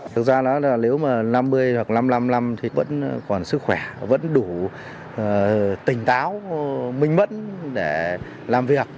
thực ra là nếu mà năm mươi hoặc năm mươi năm năm thì vẫn còn sức khỏe vẫn đủ tỉnh táo minh mẫn để làm việc